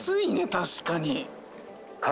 確かに。